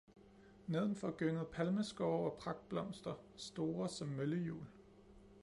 nedenfor gyngede palmeskove og pragtblomster, store, som møllehjul.